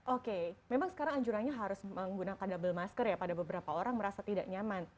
oke memang sekarang anjurannya harus menggunakan double masker ya pada beberapa orang merasa tidak nyaman